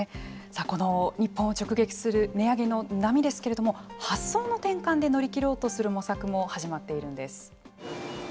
この日本を直撃する値上げの波ですけれども発想の転換で乗り切ろうとする模索も始まっているんです。